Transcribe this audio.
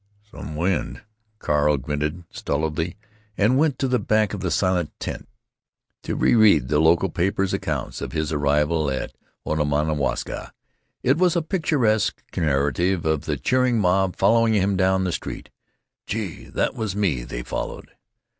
"Some wind!" Carl grunted, stolidly, and went to the back of the silent tent, to reread the local papers' accounts of his arrival at Onamwaska. It was a picturesque narrative of the cheering mob following him down the street ("Gee! that was me they followed!")